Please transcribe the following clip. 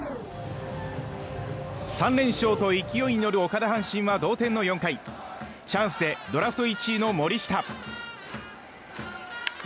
３連勝と勢いに乗る岡田・阪神は同点の４回、チャンスでドラフト１位の森下。